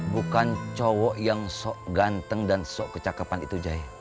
bukan cowok yang sok ganteng dan sok kecakapan itu jaya